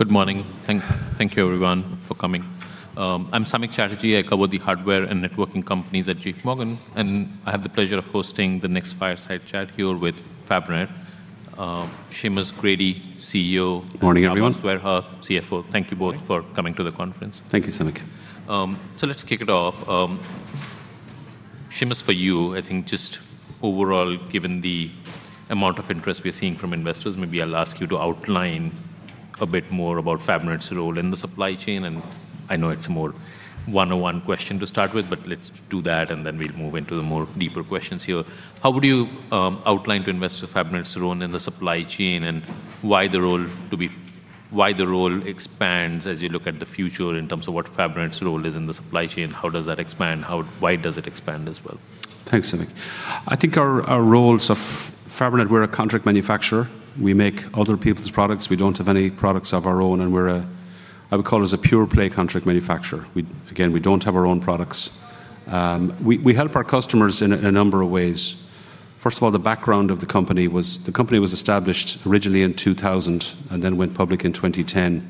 Good morning. Thank you everyone for coming. I'm Samik Chatterjee. I cover the hardware and networking companies at JPMorgan. I have the pleasure of hosting the next fireside chat here with Fabrinet. Seamus Grady, CEO Good morning, everyone. Csaba Sverha, CFO. Thank you both for coming to the conference. Thank you, Samik. Let's kick it off. Seamus, for you, I think just overall, given the amount of interest we're seeing from investors, maybe I'll ask you to outline a bit more about Fabrinet's role in the supply chain, and I know it's a more 101 question to start with, but let's do that, and then we'll move into the more deeper questions here. How would you outline to investors Fabrinet's role in the supply chain and why the role expands as you look at the future in terms of what Fabrinet's role is in the supply chain? How does that expand? Why does it expand as well? Thanks, Samik. I think our roles of Fabrinet, we're a contract manufacturer. We make other people's products. We don't have any products of our own, I would call us a pure play contract manufacturer. Again, we don't have our own products. We help our customers in a number of ways. First of all, the background of the company was the company was established originally in 2000 and then went public in 2010,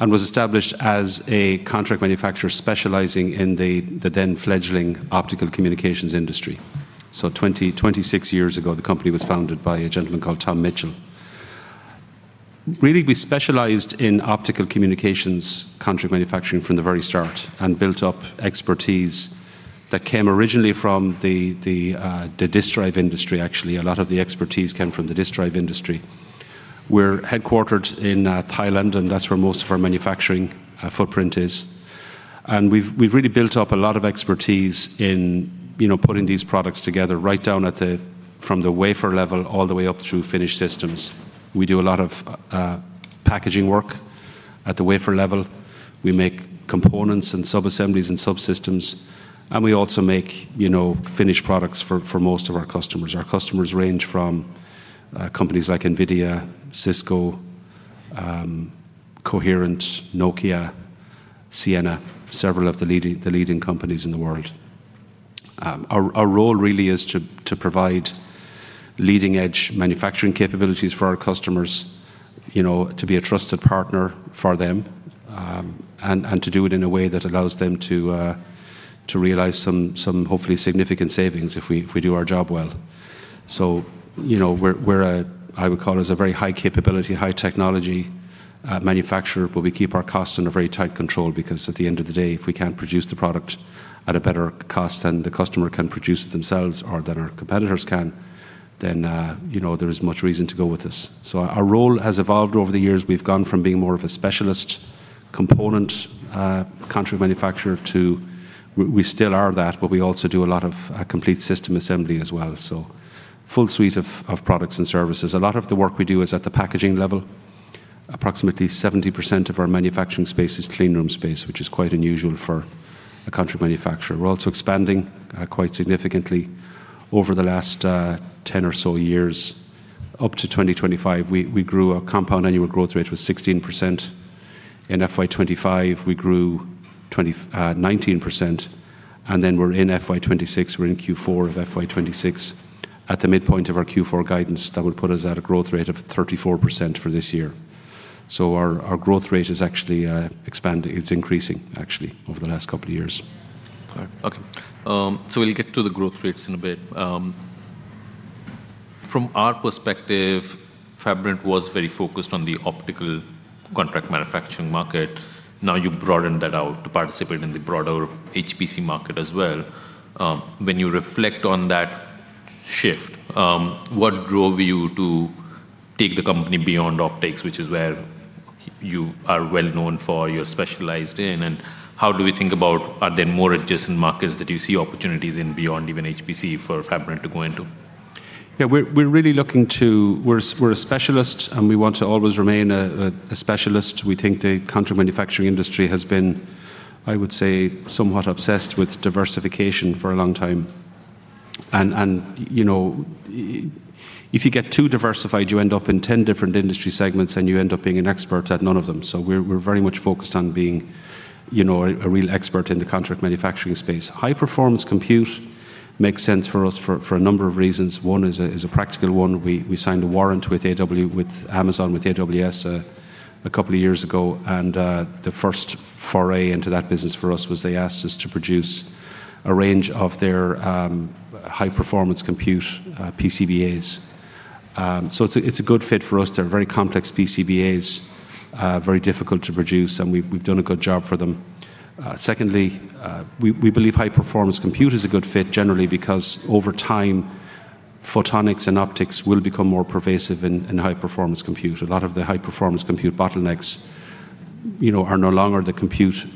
and was established as a contract manufacturer specializing in the then fledgling optical communications industry. 26 years ago, the company was founded by a gentleman called Tom Mitchell. Really, we specialized in optical communications contract manufacturing from the very start and built up expertise that came originally from the disk drive industry, actually. A lot of the expertise came from the disk drive industry. We're headquartered in Thailand, and that's where most of our manufacturing footprint is. We've really built up a lot of expertise in, you know, putting these products together right down from the wafer level all the way up through finished systems. We do a lot of packaging work at the wafer level. We make components and sub-assemblies and subsystems, and we also make, you know, finished products for most of our customers. Our customers range from companies like Nvidia, Cisco, Coherent, Nokia, Ciena, several of the leading companies in the world. Our role really is to provide leading-edge manufacturing capabilities for our customers, you know, to be a trusted partner for them, and to do it in a way that allows them to realize some hopefully significant savings if we do our job well. You know, we're a, I would call us a very high capability, high technology manufacturer, but we keep our costs under very tight control because at the end of the day, if we can't produce the product at a better cost than the customer can produce it themselves or than our competitors can, then, you know, there is much reason to go with us. Our role has evolved over the years. We've gone from being more of a specialist component, contract manufacturer to we still are that, but we also do a lot of complete system assembly as well. Full suite of products and services. A lot of the work we do is at the packaging level. Approximately 70% of our manufacturing space is clean room space, which is quite unusual for a contract manufacturer. We're also expanding quite significantly over the last 10 or so years. Up to 2025, we grew our compound annual growth rate was 16%. In FY 2025, we grew 19%. We're in FY 2026. We're in Q4 of FY 2026. At the midpoint of our Q4 guidance, that would put us at a growth rate of 34% for this year. Our growth rate is actually expanding. It's increasing, actually, over the last couple of years. All right. Okay. We'll get to the growth rates in a bit. From our perspective, Fabrinet was very focused on the optical contract manufacturing market. Now you broadened that out to participate in the broader HPC market as well. When you reflect on that shift, what drove you to take the company beyond optics, which is where you are well known for, you're specialized in? How do we think about, are there more adjacent markets that you see opportunities in beyond even HPC for Fabrinet to go into? Yeah. We're a specialist, and we want to always remain a specialist. We think the contract manufacturing industry has been, I would say, somewhat obsessed with diversification for a long time. You know, if you get too diversified, you end up in 10 different industry segments, and you end up being an expert at none of them. We're very much focused on being, you know, a real expert in the contract manufacturing space. High performance compute makes sense for us for a number of reasons. One is a practical one. We signed a warrant with Amazon, with AWS, a couple of years ago, and the first foray into that business for us was they asked us to produce a range of their high performance compute PCBAs. It's a good fit for us. They're very complex PCBAs, very difficult to produce, and we've done a good job for them. Secondly, we believe high performance compute is a good fit generally because over time, photonics and optics will become more pervasive in high performance compute. A lot of the high performance compute bottlenecks, you know, are no longer the compute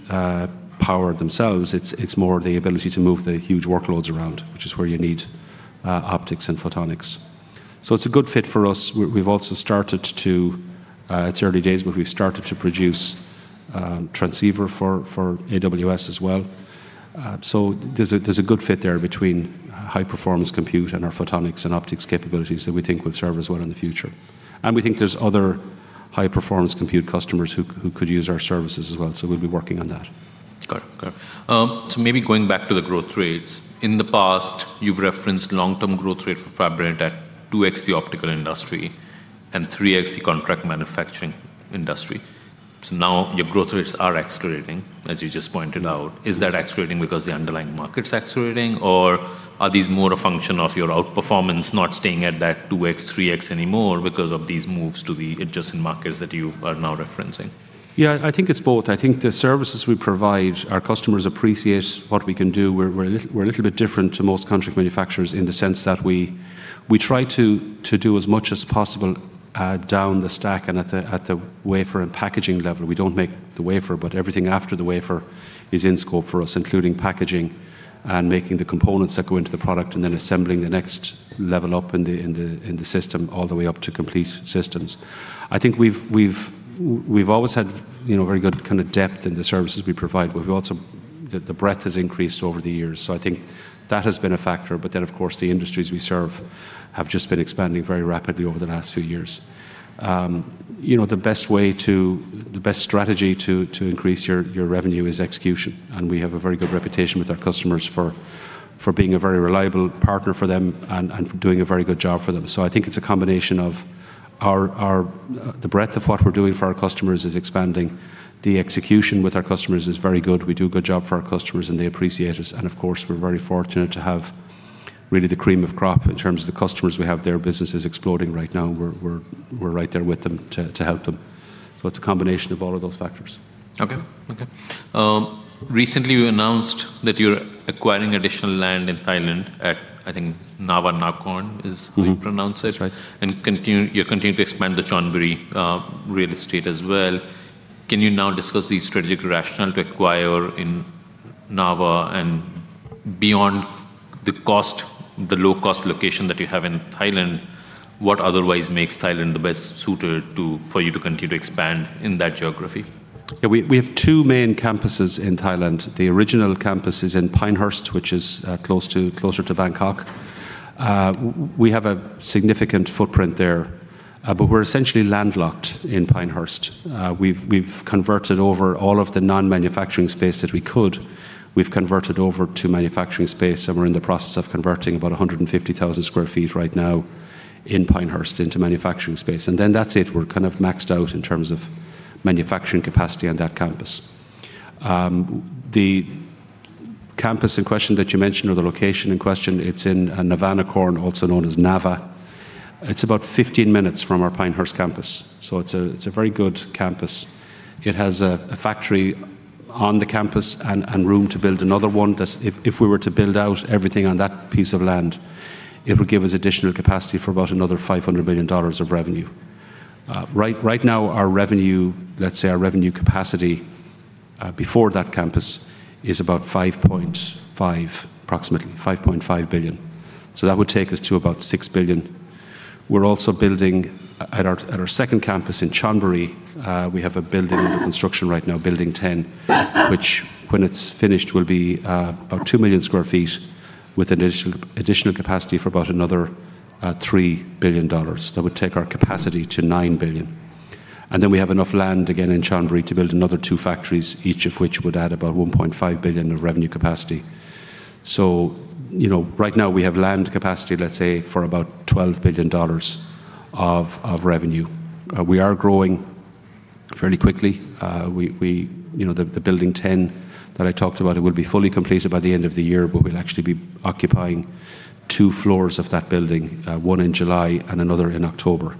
power themselves. It's more the ability to move the huge workloads around, which is where you need optics and photonics. It's a good fit for us. We've also started to, it's early days, but we've started to produce transceiver for AWS as well. There's a good fit there between High Performance Compute and our photonics and optics capabilities that we think will serve us well in the future. We think there's other High Performance Compute customers who could use our services as well, so we'll be working on that. Got it. Got it. Maybe going back to the growth rates. In the past, you've referenced long-term growth rate for Fabrinet at 2x the optical industry and 3x the contract manufacturing industry. Now your growth rates are accelerating, as you just pointed out. Is that accelerating because the underlying market's accelerating, or are these more a function of your outperformance not staying at that 2x, 3x anymore because of these moves to the adjacent markets that you are now referencing? I think it's both. I think the services we provide, our customers appreciate what we can do. We're a little bit different to most contract manufacturers in the sense that we try to do as much as possible down the stack and at the wafer and packaging level. We don't make the wafer, but everything after the wafer is in scope for us, including packaging and making the components that go into the product, and then assembling the next level up in the system, all the way up to complete systems. I think we've always had, you know, very good kind of depth in the services we provide. We've also The breadth has increased over the years. I think that has been a factor. Of course, the industries we serve have just been expanding very rapidly over the last few years. You know, the best strategy to increase your revenue is execution, and we have a very good reputation with our customers for being a very reliable partner for them and for doing a very good job for them. I think it's a combination of our, the breadth of what we're doing for our customers is expanding. The execution with our customers is very good. We do a good job for our customers, and they appreciate us. Of course, we're very fortunate to have really the cream of crop in terms of the customers we have. Their business is exploding right now, and we're right there with them to help them. It's a combination of all of those factors. Okay. Okay. recently you announced that you're acquiring additional land in Thailand at, I think, Nava Nakorn. how you pronounce it. That's right. You're continuing to expand the Chonburi real estate as well. Can you now discuss the strategic rationale to acquire in Nava? Beyond the cost, the low-cost location that you have in Thailand, what otherwise makes Thailand the best suited to, for you to continue to expand in that geography? Yeah. We have two main campuses in Thailand. The original campus is in Pinehurst, which is closer to Bangkok. We have a significant footprint there, but we're essentially landlocked in Pinehurst. We've converted over all of the non-manufacturing space that we could. We've converted over to manufacturing space. We're in the process of converting about 150,000 sq ft right now in Pinehurst into manufacturing space. That's it. We're kind of maxed out in terms of manufacturing capacity on that campus. The campus in question that you mentioned, or the location in question, it's in Nava Nakorn, also known as Nava. It's about 15 minutes from our Pinehurst campus, so it's a very good campus. It has a factory on the campus and room to build another one that if we were to build out everything on that piece of land, it would give us additional capacity for about another $500 million of revenue. Right now our revenue, let's say our revenue capacity, before that campus is about $5.5 billion. That would take us to about $6 billion. We're also building at our second campus in Chonburi. We have a building under construction right now, Building 10, which, when it's finished, will be about 2,000,000 sq ft with additional capacity for about another $3 billion. That would take our capacity to $9 billion. Then we have enough land again in Chonburi to build another two factories, each of which would add about $1.5 billion of revenue capacity. You know, right now we have land capacity, let's say, for about $12 billion of revenue. We are growing fairly quickly. We You know, the Building 10 that I talked about, it will be fully completed by the end of the year, but we'll actually be occupying two floors of that building, one in July and another in October,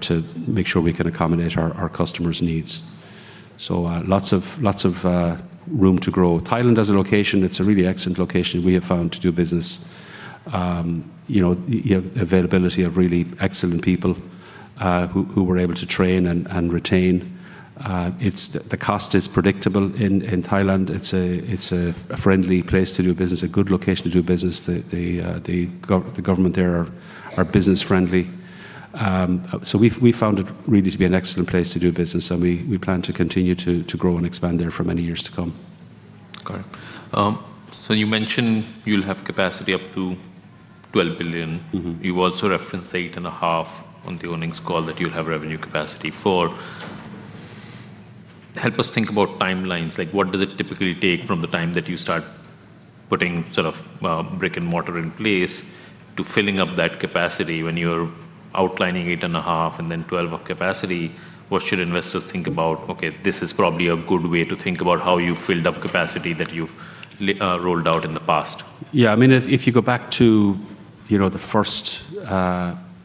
to make sure we can accommodate our customers' needs. Lots of room to grow. Thailand as a location, it's a really excellent location we have found to do business. You know, you have availability of really excellent people, who we're able to train and retain. The cost is predictable in Thailand. It's a friendly place to do business, a good location to do business. The government there are business-friendly. We found it really to be an excellent place to do business, and we plan to continue to grow and expand there for many years to come. Got it. You mentioned you'll have capacity up to $12 billion. You also referenced $8.5 billion on the earnings call that you'll have revenue capacity for. Help us think about timelines. Like, what does it typically take from the time that you start putting sort of brick and mortar in place to filling up that capacity? When you're outlining $8.5 billion and then $12 billion of capacity, what should investors think about, okay, this is probably a good way to think about how you've filled up capacity that you've rolled out in the past? Yeah, I mean, if you go back to, you know, the first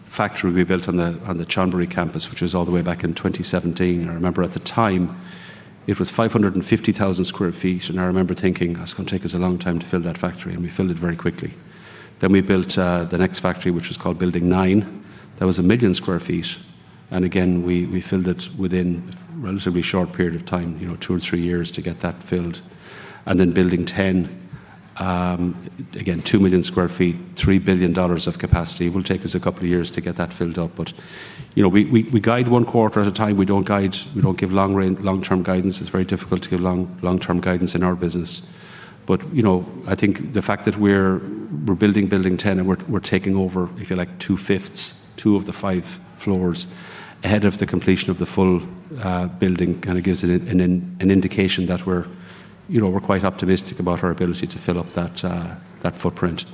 factory we built on the Chonburi campus, which was all the way back in 2017. I remember at the time it was 550,000 sq ft. I remember thinking, that's gonna take us a long time to fill that factory. We filled it very quickly. We built the next factory, which was called Building 9. That was 1,000,000 sq ft. Again, we filled it within a relatively short period of time, you know, two or three years to get that filled. Building 10, again, 2,000,000 sq ft, $3 billion of capacity. It will take us a couple of years to get that filled up. You know, we guide one quarter at a time. We don't guide. We don't give long-term guidance. It's very difficult to give long, long-term guidance in our business. You know, I think the fact that we're building Building 10 and we're taking over, if you like, 2/5, two of the five floors ahead of the completion of the full building kind of gives it an indication that we're, you know, we're quite optimistic about our ability to fill up that footprint.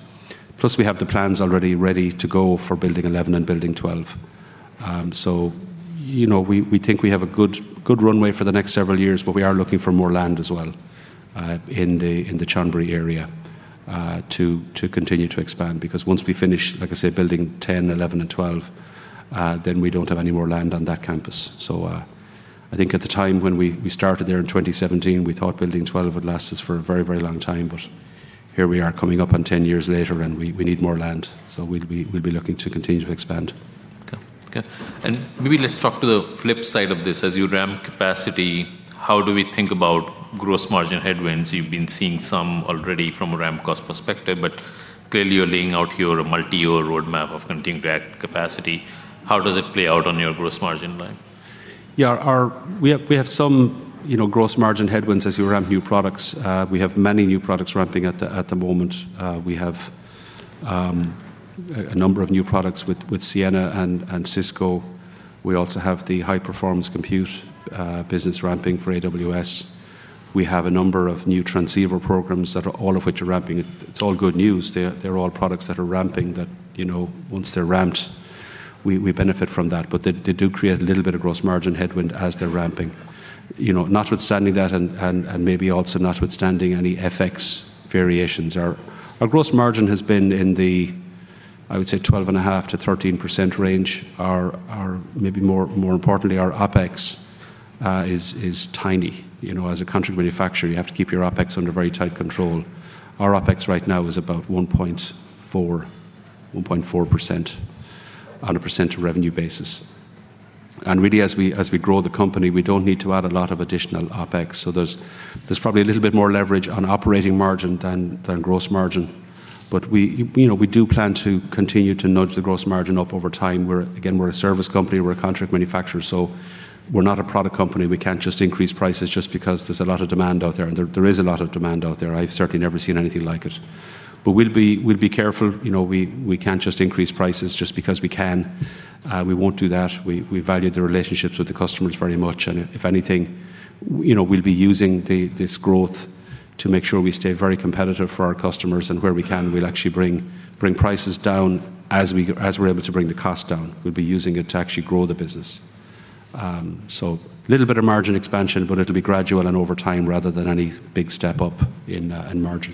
Plus we have the plans already ready to go for Building 11 and Building 12. You know, we think we have a good runway for the next several years, but we are looking for more land as well, in the Chonburi area, to continue to expand because once we finish, like I say, building 10, 11, and 12, then we don't have any more land on that campus. I think at the time when we started there in 2017, we thought building 12 would last us for a very, very long time, but here we are coming up on 10 years later, and we need more land. We'll be looking to continue to expand. Okay. Okay. Maybe let's talk to the flip side of this. As you ramp capacity, how do we think about gross margin headwinds? You've been seeing some already from a ramp cost perspective, but clearly you're laying out here a multi-year roadmap of continuing to add capacity. How does it play out on your gross margin line? Our, we have some, you know, gross margin headwinds as we ramp new products. We have many new products ramping at the moment. We have a number of new products with Ciena and Cisco. We also have the high-performance compute business ramping for AWS. We have a number of new transceiver programs that are, all of which are ramping. It's all good news. They're all products that are ramping that, you know, once they're ramped, we benefit from that. They do create a little bit of gross margin headwind as they're ramping. You know, notwithstanding that and maybe also notwithstanding any FX variations, our gross margin has been in the, I would say, 12.5%-13% range. Our, our, maybe more, more importantly, our OpEx is tiny. You know, as a contract manufacturer, you have to keep your OpEx under very tight control. Our OpEx right now is about 1.4% on a percent of revenue basis. Really, as we grow the company, we don't need to add a lot of additional OpEx. There's probably a little bit more leverage on operating margin than gross margin. We, you know, we do plan to continue to nudge the gross margin up over time. We're, again, we're a service company. We're a contract manufacturer, we're not a product company. We can't just increase prices just because there's a lot of demand out there, and there is a lot of demand out there. I've certainly never seen anything like it. We'll be careful. You know, we can't just increase prices just because we can. We won't do that. We value the relationships with the customers very much, if anything, you know, we'll be using this growth to make sure we stay very competitive for our customers. Where we can, we'll actually bring prices down as we're able to bring the cost down. We'll be using it to actually grow the business. Little bit of margin expansion, but it'll be gradual and over time rather than any big step-up in margin.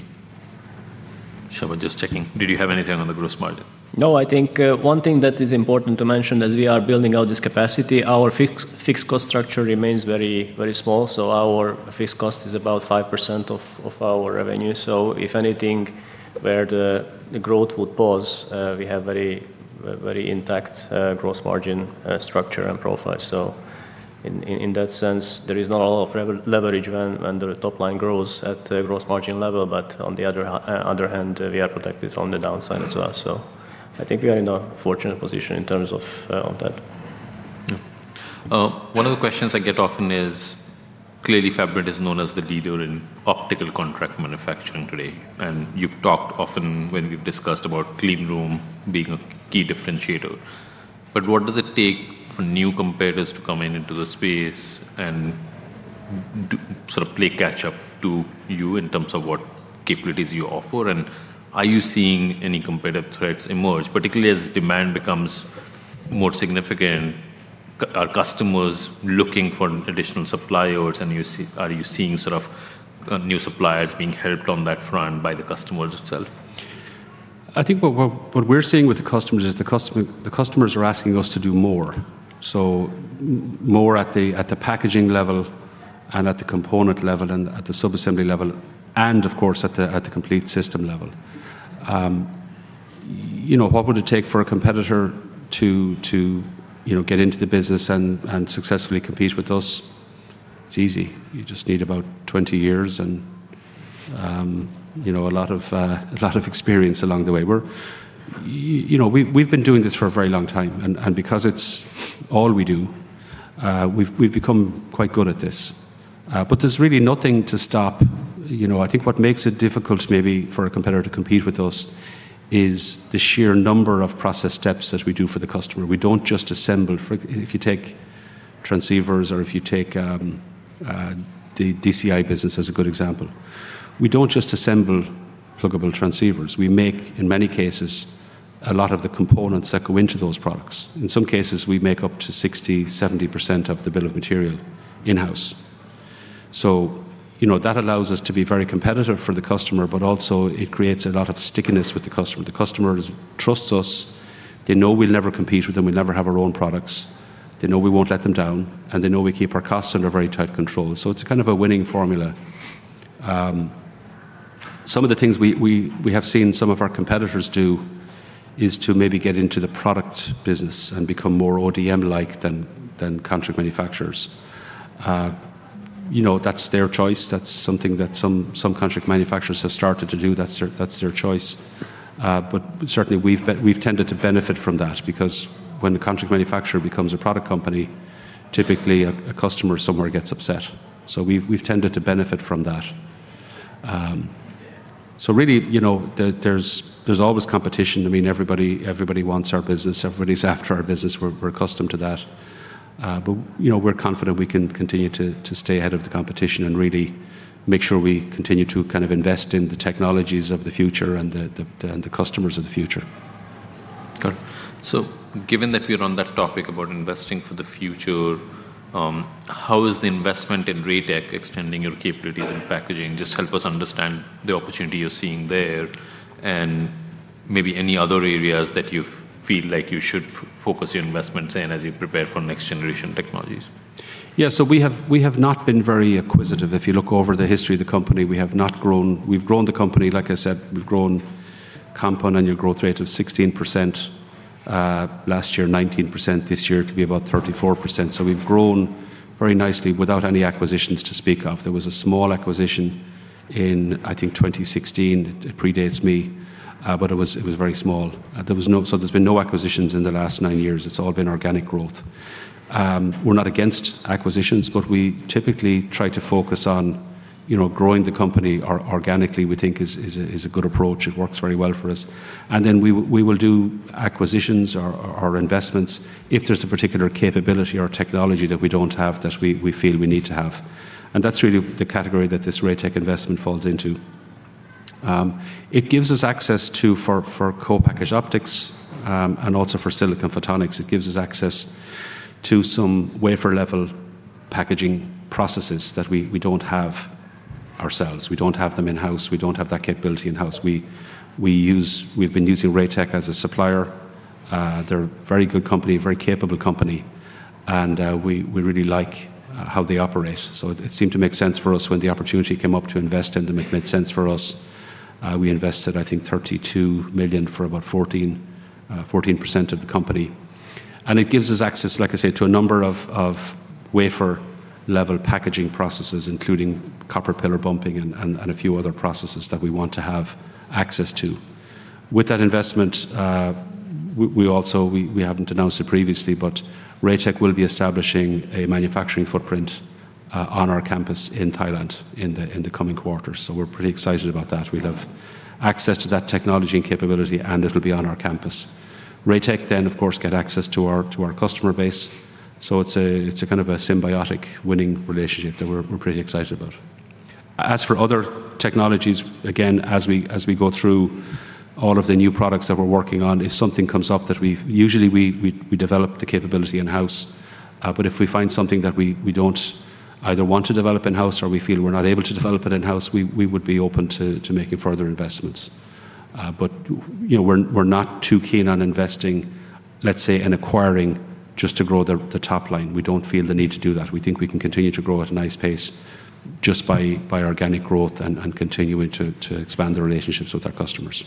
Csaba, just checking, did you have anything on the gross margin? I think, one thing that is important to mention as we are building out this capacity, our fixed cost structure remains very, very small. Our fixed cost is about 5% of our revenue. If anything, where the growth would pause, we have very, very intact gross margin structure and profile. In that sense, there is not a lot of leverage when the top line grows at the gross margin level. On the other hand, we are protected from the downside as well. I think we are in a fortunate position in terms of, on that. One of the questions I get often is, clearly Fabrinet is known as the leader in optical contract manufacturing today, and you've talked often when we've discussed about clean room being a key differentiator. What does it take for new competitors to come in into the space and do sort of play catch up to you in terms of what capabilities you offer? Are you seeing any competitive threats emerge, particularly as demand becomes more significant? Are customers looking for additional suppliers and are you seeing sort of new suppliers being helped on that front by the customers itself? I think what we're seeing with the customers is the customers are asking us to do more. More at the packaging level and at the component level and at the sub-assembly level and of course, at the complete system level. You know, what would it take for a competitor to, you know, get into the business and successfully compete with us? It's easy. You just need about 20 years and, you know, a lot of experience along the way. You know, we've been doing this for a very long time and because it's all we do, we've become quite good at this. There's really nothing to stop. You know, I think what makes it difficult maybe for a competitor to compete with us is the sheer number of process steps that we do for the customer. We don't just assemble. If you take transceivers or if you take the DCI business as a good example, we don't just assemble pluggable transceivers. We make, in many cases, a lot of the components that go into those products. In some cases, we make up to 60%-70% of the bill of material in-house. You know, that allows us to be very competitive for the customer, but also it creates a lot of stickiness with the customer. The customers trust us. They know we'll never compete with them. We'll never have our own products. They know we won't let them down, and they know we keep our costs under very tight control. It's kind of a winning formula. Some of the things we have seen some of our competitors do is to maybe get into the product business and become more ODM-like than contract manufacturers. You know, that's their choice. That's something that some contract manufacturers have started to do. That's their choice. But certainly we've tended to benefit from that because when the contract manufacturer becomes a product company, typically a customer somewhere gets upset. We've tended to benefit from that. Really, you know, there's always competition. I mean, everybody wants our business. Everybody's after our business. We're accustomed to that. You know, we're confident we can continue to stay ahead of the competition and really make sure we continue to kind of invest in the technologies of the future and the customers of the future. Got it. Given that we're on that topic about investing for the future, how is the investment in Raytec extending your capabilities in packaging? Just help us understand the opportunity you're seeing there, and maybe any other areas that you feel like you should focus your investments in as you prepare for next-generation technologies. We have not been very acquisitive. If you look over the history of the company, we've grown the company, like I said, we've grown compound annual growth rate of 16%, last year 19%, this year to be about 34%. We've grown very nicely without any acquisitions to speak of. There was a small acquisition in, I think, 2016. It predates me, but it was very small. There's been no acquisitions in the last nine years. It's all been organic growth. We're not against acquisitions, but we typically try to focus on, you know, growing the company organically we think is a good approach. It works very well for us. We will do acquisitions or investments if there's a particular capability or technology that we don't have that we feel we need to have. That's really the category that this Raytec investment falls into. It gives us access to for co-packaged optics and also for silicon photonics. It gives us access to some wafer-level packaging processes that we don't have ourselves. We don't have them in-house. We don't have that capability in-house. We've been using Raytec as a supplier. They're a very good company, a very capable company, and we really like how they operate. It seemed to make sense for us when the opportunity came up to invest in them. It made sense for us. We invested, I think, $32 million for about 14% of the company. It gives us access, like I say, to a number of wafer-level packaging processes, including copper pillar bumping and a few other processes that we want to have access to. With that investment, we also, we haven't announced it previously, but Raytec will be establishing a manufacturing footprint on our campus in Thailand in the coming quarters. We're pretty excited about that. We'll have access to that technology and capability, and it'll be on our campus. Raytec then, of course, get access to our customer base. It's a kind of a symbiotic winning relationship that we're pretty excited about. As for other technologies, again, as we go through all of the new products that we're working on, if something comes up that usually, we develop the capability in-house. If we find something that we don't either want to develop in-house or we feel we're not able to develop it in-house, we would be open to making further investments. We're not too keen on investing, let's say, and acquiring just to grow the top line. We don't feel the need to do that. We think we can continue to grow at a nice pace just by organic growth and continuing to expand the relationships with our customers.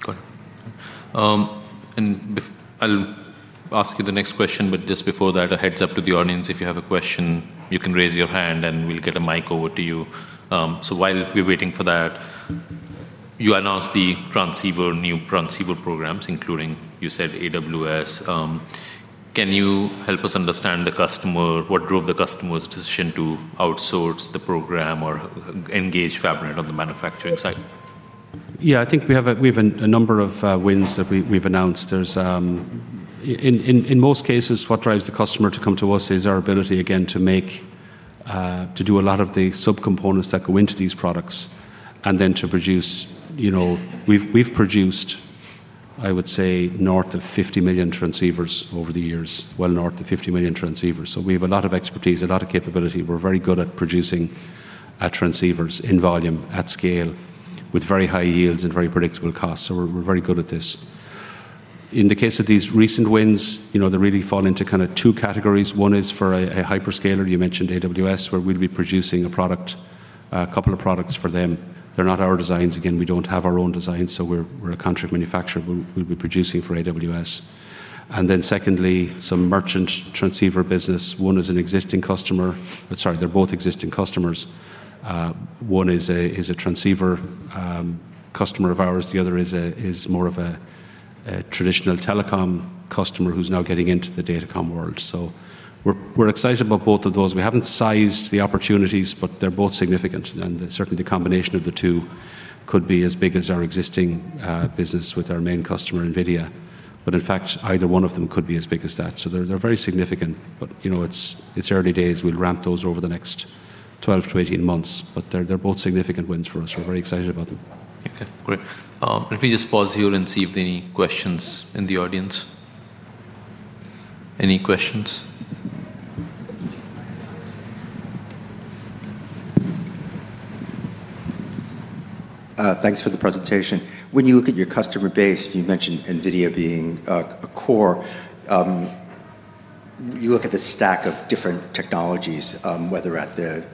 Got it. I'll ask you the next question, but just before that, a heads-up to the audience. If you have a question, you can raise your hand, and we'll get a mic over to you. While we're waiting for that, you announced the transceiver, new transceiver programs, including you said AWS. Can you help us understand the customer, what drove the customer's decision to outsource the program or engage Fabrinet on the manufacturing side? I think we have a number of wins that we've announced. In most cases, what drives the customer to come to us is our ability, again, to make, to do a lot of the subcomponents that go into these products and then to produce. You know, we've produced, I would say, north of 50,000,000 transceivers over the years. Well north of 50,000,000 transceivers. We have a lot of expertise, a lot of capability. We're very good at producing transceivers in volume, at scale, with very high yields and very predictable costs. We're very good at this. In the case of these recent wins, you know, they really fall into kind of two categories. One is for a hyperscaler. You mentioned AWS, where we'll be producing a product, a couple of products for them. They're not our designs. We don't have our own designs, we're a contract manufacturer. We'll be producing for AWS. Secondly, some merchant transceiver business. One is an existing customer. Sorry, they're both existing customers. One is a transceiver customer of ours. The other is more of a traditional telecom customer who's now getting into the datacom world. We're excited about both of those. We haven't sized the opportunities, they're both significant. Certainly, the combination of the two could be as big as our existing business with our main customer, Nvidia. In fact, either one of them could be as big as that. They're very significant. You know, it's early days. We'll ramp those over the next 12 to 18 months. They're both significant wins for us. We're very excited about them. Great. Let me just pause you and see if there are any questions in the audience. Any questions? Thanks for the presentation. When you look at your customer base, you mentioned Nvidia being a core. You look at the stack of different technologies, whether at the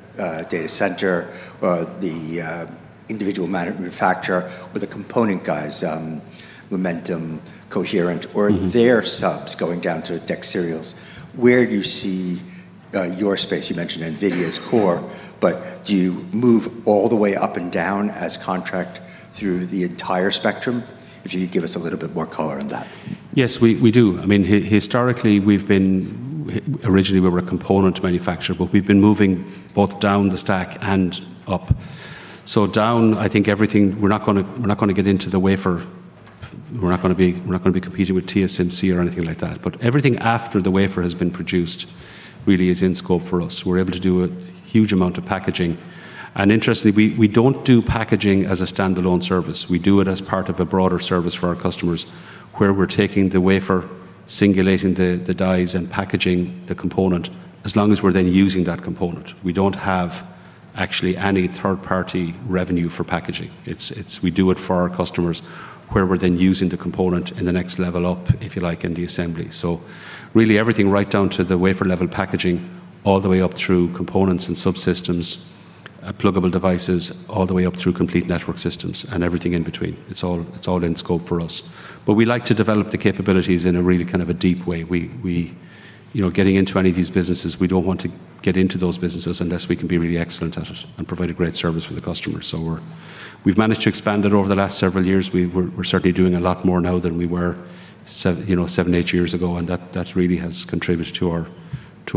data center or the individual manufacturer or the component guys, Lumentum, Coherent. Or their subs going down to Dexerials. Where do you see your space? You mentioned Nvidia's core, but do you move all the way up and down as contract through the entire spectrum? If you could give us a little bit more color on that. Yes, we do. I mean, historically, Originally, we were a component manufacturer, we've been moving both down the stack and up. Down, I think. We're not gonna get into the wafer. We're not gonna be competing with TSMC or anything like that. Everything after the wafer has been produced really is in scope for us. We're able to do a huge amount of packaging. Interestingly, we don't do packaging as a standalone service. We do it as part of a broader service for our customers, where we're taking the wafer, singulating the dies, and packaging the component as long as we're then using that component. We don't have actually any third-party revenue for packaging. It's we do it for our customers where we're then using the component in the next level up, if you like, in the assembly. Really everything right down to the wafer level packaging all the way up through components and subsystems, pluggable devices, all the way up through complete network systems and everything in between. It's all in scope for us. We like to develop the capabilities in a really kind of a deep way. We, you know, getting into any of these businesses, we don't want to get into those businesses unless we can be really excellent at it and provide a great service for the customer. We've managed to expand it over the last several years. We're certainly doing a lot more now than we were you know, seven, eight years ago, that really has contributed to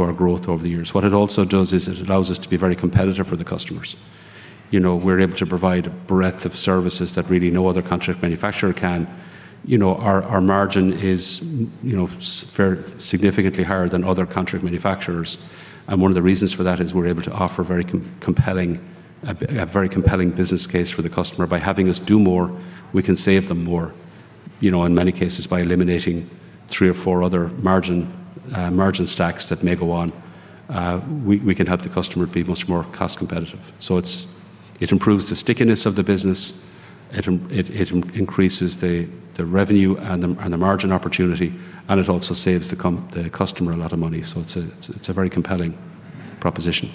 our growth over the years. What it also does is it allows us to be very competitive for the customers. You know, we're able to provide a breadth of services that really no other contract manufacturer can. You know, our margin is, you know, very significantly higher than other contract manufacturers. One of the reasons for that is we're able to offer very compelling, a very compelling business case for the customer. By having us do more, we can save them more. You know, in many cases, by eliminating three or four other margin stacks that may go on, we can help the customer be much more cost competitive. It improves the stickiness of the business, it increases the revenue and the, and the margin opportunity, and it also saves the customer a lot of money. It's a very compelling proposition.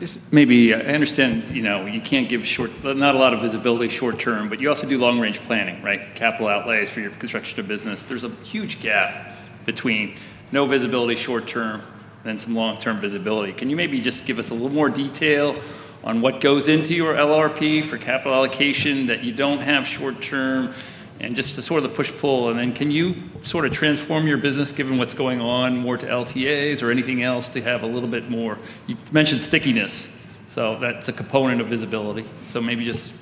Just maybe, I understand, you know, you can't give not a lot of visibility short term, you also do long-range planning, right? Capital outlays for your construction of business. There's a huge gap between no visibility short term and some long-term visibility. Can you maybe just give us a little more detail on what goes into your LRP for capital allocation that you don't have short term and just the sort of the push-pull? Can you sort of transform your business given what's going on more to LTAs or anything else to have a little bit more. You mentioned stickiness, so that's a component of visibility. Maybe just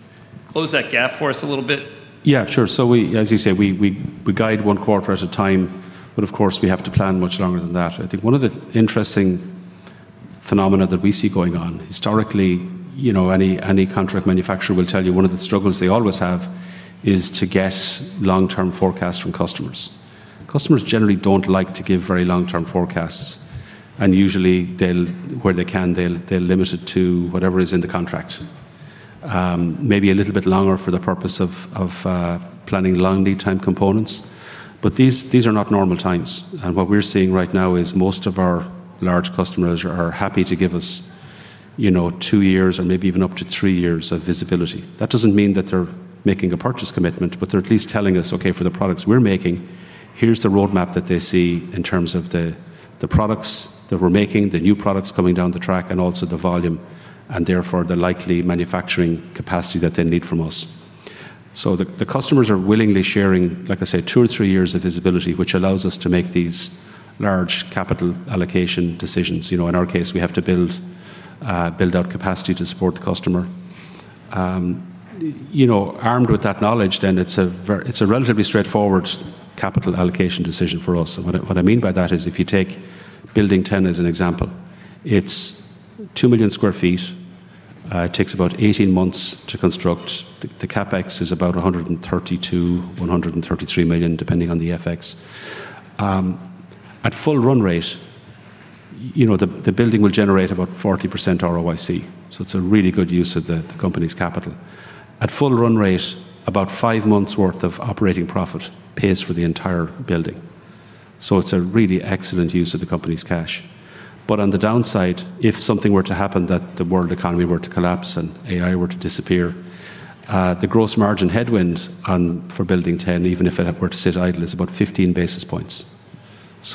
close that gap for us a little bit. Yeah, sure. As you say, we guide one quarter at a time, but of course, we have to plan much longer than that. I think one of the interesting phenomena that we see going on, historically, you know, any contract manufacturer will tell you one of the struggles they always have is to get long-term forecasts from customers. Customers generally don't like to give very long-term forecasts. Usually where they can, they'll limit it to whatever is in the contract. Maybe a little bit longer for the purpose of planning long lead time components. These are not normal times. What we're seeing right now is most of our large customers are happy to give us, you know, two years or maybe even up to three years of visibility. That doesn't mean that they're making a purchase commitment, but they're at least telling us, okay, for the products we're making, here's the roadmap that they see in terms of the products that we're making, the new products coming down the track, and also the volume, and therefore the likely manufacturing capacity that they need from us. The, the customers are willingly sharing, like I say, two or three years of visibility, which allows us to make these large capital allocation decisions. You know, in our case, we have to build out capacity to support the customer. You know, armed with that knowledge, it's a relatively straightforward capital allocation decision for us. What I, what I mean by that is if you take Building Ten as an example, it's 2,000,000 sq ft, it takes about 18 months to construct. The CapEx is about $132 million, $133 million, depending on the FX. At full run rate, you know, the building will generate about 40% ROIC, so it's a really good use of the company's capital. At full run rate, about five months worth of operating profit pays for the entire building. It's a really excellent use of the company's cash. On the downside, if something were to happen that the world economy were to collapse and AI were to disappear, the gross margin headwind for Building Ten, even if it were to sit idle, is about 15 basis points.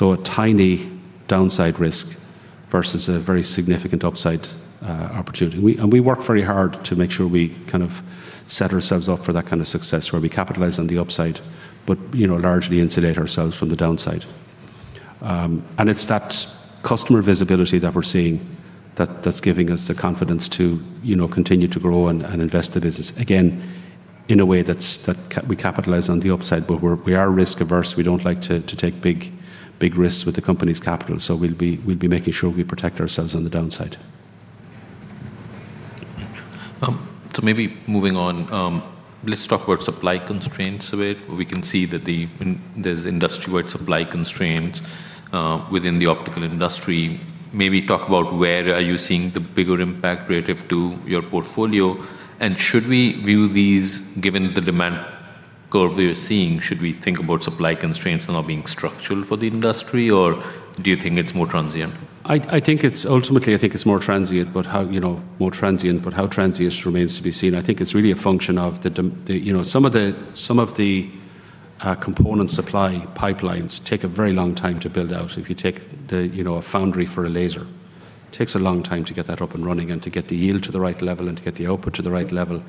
A tiny downside risk versus a very significant upside opportunity. We work very hard to make sure we kind of set ourselves up for that kind of success, where we capitalize on the upside, but, you know, largely insulate ourselves from the downside. It's that customer visibility that we're seeing that's giving us the confidence to, you know, continue to grow and invest the business, again, in a way that's, that we capitalize on the upside. We are risk-averse. We don't like to take big risks with the company's capital, we'll be making sure we protect ourselves on the downside. Maybe moving on, let's talk about supply constraints a bit. We can see that there's industry-wide supply constraints within the optical industry. Maybe talk about where are you seeing the bigger impact relative to your portfolio, and should we view these, given the demand curve we're seeing, should we think about supply constraints now being structural for the industry, or do you think it's more transient? I think it's ultimately, I think it's more transient, but how, you know, more transient, but how transient remains to be seen. I think it's really a function of the, you know, some of the component supply pipelines take a very long time to build out. If you take the, you know, a foundry for a laser, it takes a long time to get that up and running and to get the yield to the right level and to get the output to the right level.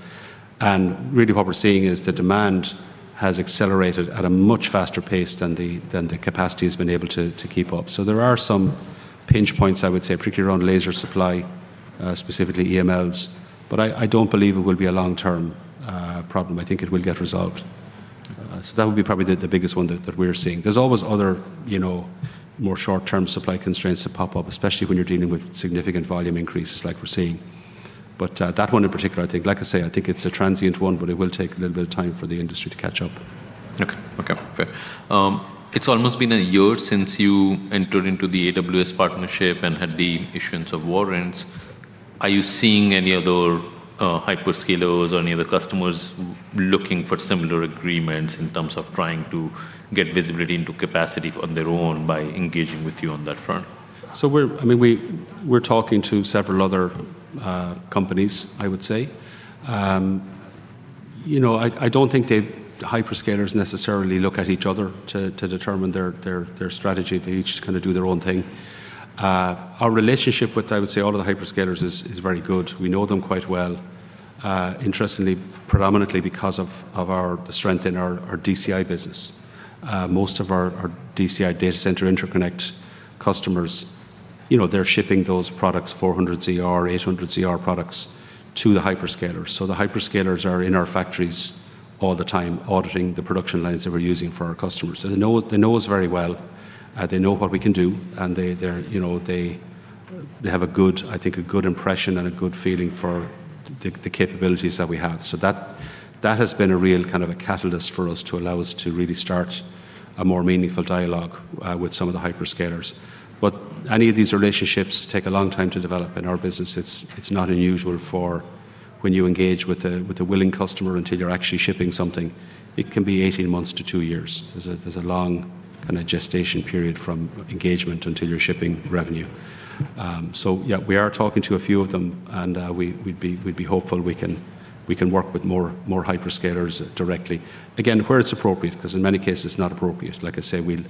Really what we're seeing is the demand has accelerated at a much faster pace than the capacity's been able to keep up. There are some pinch points, I would say, particularly around laser supply, specifically EMLs. I don't believe it will be a long-term problem. I think it will get resolved. That would be probably the biggest one that we're seeing. There's always other, you know, more short-term supply constraints that pop up, especially when you're dealing with significant volume increases like we're seeing. That one in particular, I think, like I say, I think it's a transient one, but it will take a little bit of time for the industry to catch up. Okay. Okay. Fair. It's almost been a year since you entered into the AWS partnership and had the issuance of warrants. Are you seeing any other hyperscalers or any other customers looking for similar agreements in terms of trying to get visibility into capacity on their own by engaging with you on that front? We're, I mean, we're talking to several other companies, I would say. You know, I don't think they, hyperscalers necessarily look at each other to determine their strategy. They each kind of do their own thing. Our relationship with, I would say, all of the hyperscalers is very good. We know them quite well, interestingly, predominantly because of our, the strength in our DCI business. Most of our DCI data center interconnect customers, you know, they're shipping those products, 400ZR, 800ZR products, to the hyperscalers. The hyperscalers are in our factories all the time auditing the production lines that we're using for our customers. They know us very well, they know what we can do, and they, you know, they have a good, I think, a good impression and a good feeling for the capabilities that we have. That has been a real kind of a catalyst for us to allow us to really start a more meaningful dialogue with some of the hyperscalers. Any of these relationships take a long time to develop. In our business, it's not unusual for when you engage with a willing customer until you're actually shipping something, it can be 18 months to two years. There's a long kind of gestation period from engagement until you're shipping revenue. We are talking to a few of them, we'd be hopeful we can work with more hyperscalers directly. Again, where it's appropriate, because in many cases it's not appropriate. Like I say, we'll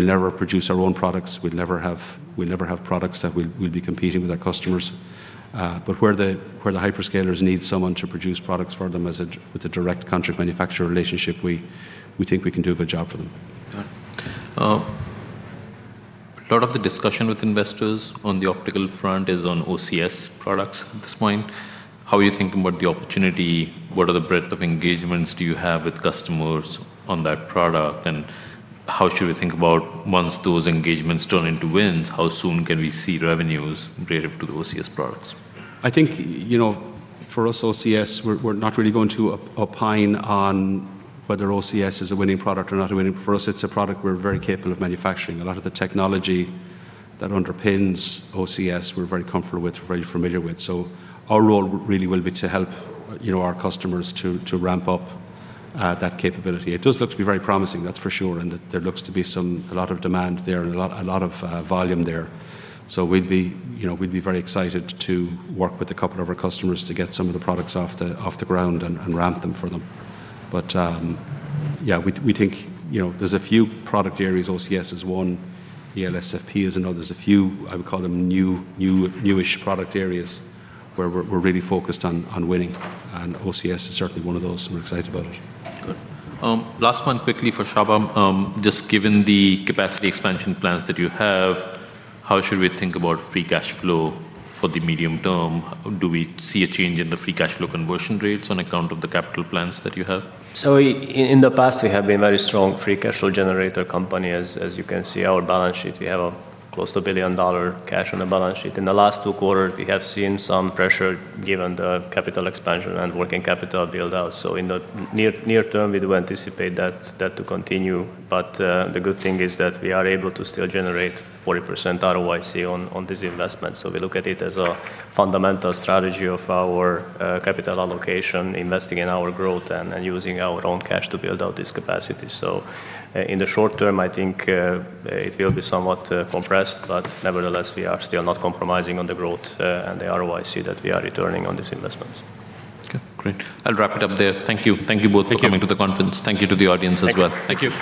never produce our own products. We'll never have products that we'll be competing with our customers. Where the hyperscalers need someone to produce products for them with a direct contract manufacturer relationship, we think we can do a good job for them. Got it. A lot of the discussion with investors on the optical front is on OCS products at this point. How are you thinking about the opportunity? What are the breadth of engagements do you have with customers on that product? How should we think about once those engagements turn into wins, how soon can we see revenues related to the OCS products? I think, you know, for us, OCS, we're not really going to opine on whether OCS is a winning product or not a winning. For us, it's a product we're very capable of manufacturing. A lot of the technology that underpins OCS we're very comfortable with, we're very familiar with. Our role really will be to help, you know, our customers to ramp up that capability. It does look to be very promising, that's for sure. There looks to be a lot of demand there and a lot of volume there. We'd be, you know, we'd be very excited to work with a couple of our customers to get some of the products off the ground and ramp them for them. Yeah, we think, you know, there's a few product areas. OCS is one, ELSFP is another. There's a few, I would call them new-ish product areas where we're really focused on winning, and OCS is certainly one of those, and we're excited about it. Good. Last one quickly for Csaba. Just given the capacity expansion plans that you have, how should we think about free cash flow for the medium term? Do we see a change in the free cash flow conversion rates on account of the capital plans that you have? In the past, we have been very strong free cash flow generator company. As you can see, our balance sheet, we have a close to $1 billion cash on the balance sheet. In the last two quarters, we have seen some pressure given the capital expansion and working capital build-out. In the near term, we do anticipate that to continue. The good thing is that we are able to still generate 40% ROIC on this investment. We look at it as a fundamental strategy of our capital allocation, investing in our growth and using our own cash to build out this capacity. In the short term, I think it will be somewhat compressed, but nevertheless, we are still not compromising on the growth and the ROIC that we are returning on these investments. Okay. Great. I'll wrap it up there. Thank you. Thank you both- Thank you. -for coming to the conference. Thank you to the audience as well. Thank you. Thank you.